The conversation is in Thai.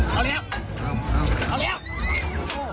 ขอเลี่ยวขอเลี่ยว